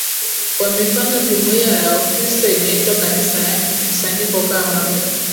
wa mifano Jumuia ya Wakristo inaitwa Kanisa yaani mkusanyiko kama